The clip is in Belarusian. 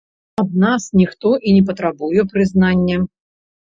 Ад нас ніхто і не патрабуе прызнання.